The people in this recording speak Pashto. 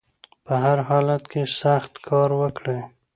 په هر حالت کې سخت کار وکړئ